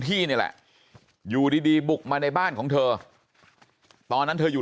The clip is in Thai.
ที่นี่แหละอยู่ดีบุกมาในบ้านของเธอตอนนั้นเธออยู่